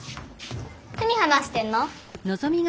何話してんの？